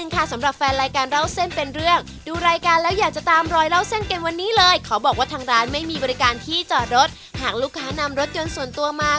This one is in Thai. ใครชื่นชอบอาหารเวียดนามนะคะ